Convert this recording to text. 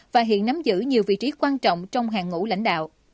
và hiện nắm giữ nhiều vị trí quan trọng trong hàng ngũ lãnh đạo